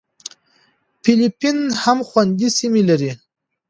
فېلېپین هم خوندي سیمې لري.